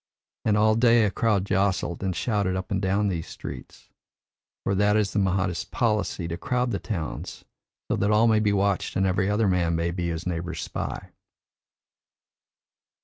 And all day a crowd jostled and shouted up and down these streets for that is the Mahdist policy to crowd the towns so that all may be watched and every other man may be his neighbour's spy.